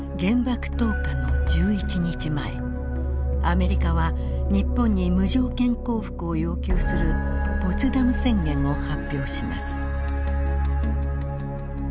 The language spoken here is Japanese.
アメリカは日本に無条件降伏を要求するポツダム宣言を発表します。